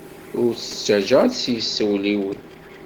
Ur t-ttajja ad t-yessewliwel.